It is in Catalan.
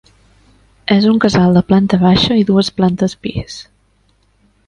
És un casal de planta baixa i dues plantes pis.